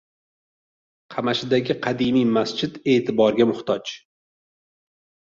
Qamashidagi qadimiy masjid e’tiborga muhtoj